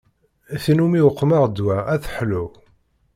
Tin umi uqmeɣ ddwa ad teḥlu.